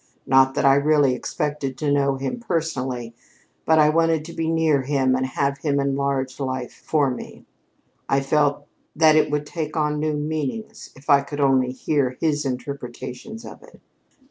Not that I really expected to know him personally, but I wanted to be near him and have him enlarge life for me. I felt that it would take on new meanings if I could only hear his interpretations of it."